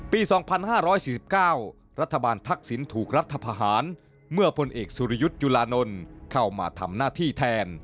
ปี๒๕๔๙รัฐบาลทักษิณถูกรัฐพาหารเมื่อพลเอกสุรยุทธ์จุลานนท์เข้ามาทำหน้าที่แทน